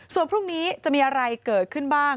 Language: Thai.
ส่วนพรุ่งนี้จะมีอะไรเกิดขึ้นบ้าง